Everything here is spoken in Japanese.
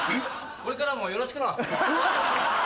これからもよろしくな。